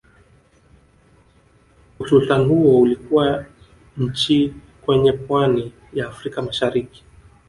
Usultani huo ulikuwa nchi kwenye pwani ya Afrika mashariki